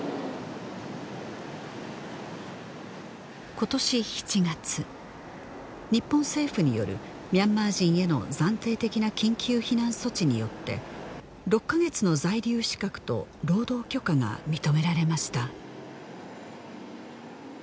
今年７月日本政府によるミャンマー人への暫定的な緊急避難措置によって６カ月の在留資格と労働許可が認められました